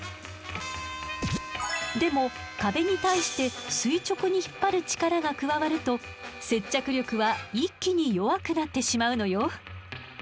でも壁に対して垂直に引っ張る力が加わると接着力は一気に弱くなってしまうのよ。